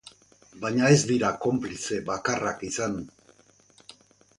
Baina ez dira konplize bakarrak izan.